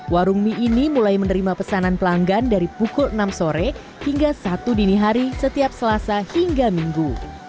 warung mie ini mulai menerima pesanan pelanggan dari pukul enam sore hingga satu dini hari setiap selasa hingga minggu